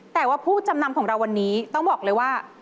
แต่ว่าผู้จำนำของเราวันนี้ต้องบอกเลยว่า